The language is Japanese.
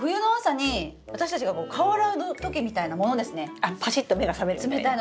ああパシッと目が覚めるみたいな？